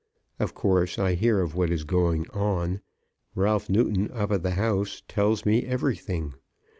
Of course I hear of what is going on. Ralph Newton up at the house tells me everything.